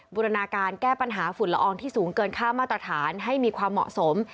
บูรณาการแก้ปัญหาฝุ่นละอองที่สูงเกินค่ามาตรฐานให้มีความเหมาะสม